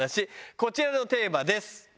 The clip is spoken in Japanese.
こちらのテーマです。